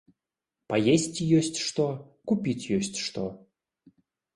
Паесці ёсць што, купіць ёсць што.